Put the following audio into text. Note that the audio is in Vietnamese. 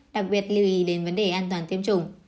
đặc biệt lưu ý đến vấn đề an toàn tiêm chủng